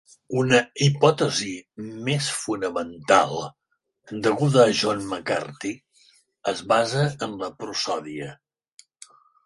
Una hipótesi més fonamental deguda a John McCarthy es basa en la prosòdia.